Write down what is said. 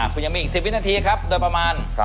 คุณยังมีอีก๑๐วินาทีครับโดยประมาณ